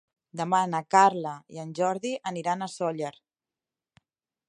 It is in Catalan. Demà na Carla i en Jordi aniran a Sóller.